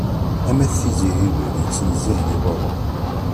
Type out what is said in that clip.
Am at tizi Hibel, yittnezzihen i waḍu.